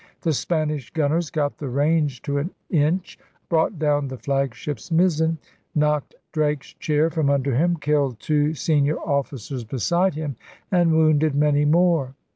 The Spanish gunners got the range to an inch, brought down the flagship's mizzen, knocked Drake's chair from under him, killed two senior officers beside him, and wounded many more.